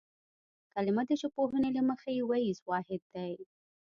کلمه د ژبپوهنې له مخې وییز واحد دی